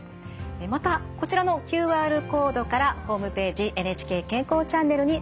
またこちらのＱＲコードからホームページ「ＮＨＫ健康チャンネル」にアクセスできます。